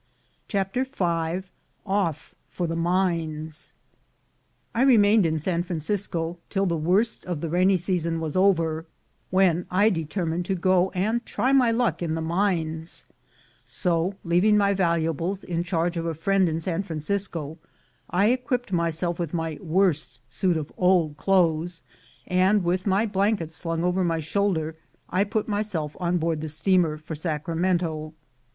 CHAPTER V OFF FOR THE MINES I REMAINED in San Francisco till the worst of the rainy season was over, when I determined to go and try my luck in the mines; so, leaving my valuables in charge of a friend in San Francisco, I equipped myself in my worst suit of old clothes, and, with my blankets slung over my shoulder, I put my / self on board the steamer for Sacramento.